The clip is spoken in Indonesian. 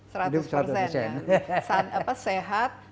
sehat sadar produktif